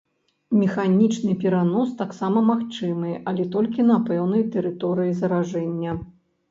Механічны перанос таксама магчымы, але толькі на пэўнай тэрыторыі заражэння.